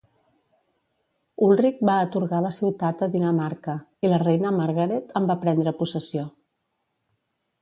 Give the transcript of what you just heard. Ulrich va atorgar la ciutat a Dinamarca, i la reina Margaret en va prendre possessió.